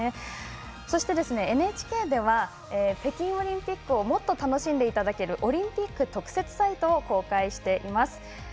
そして、ＮＨＫでは北京オリンピックをもっと楽しんでいただけるオリンピック特設サイトを公開しています。